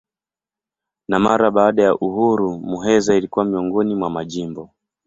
Na mara baada ya uhuru Muheza ilikuwa miongoni mwa majimbo.